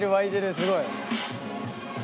すごい。